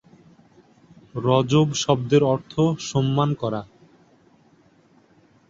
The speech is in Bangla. রজব শব্দের অর্থ "সম্মান করা"।